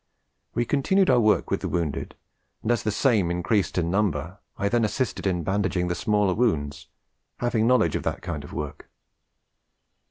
We continued our work with the wounded, and as the same increased in number, I then assisted in bandaging the smaller wounds, having knowledge of that kind of work.